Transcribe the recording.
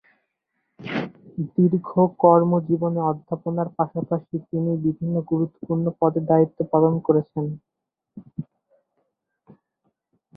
দীর্ঘ কর্মজীবনে অধ্যাপনার পাশাপাশি তিনি বিভিন্ন গুরুত্বপূর্ণ পদে দায়িত্ব পালন করেছেন।